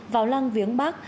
vào lăng viếng bắc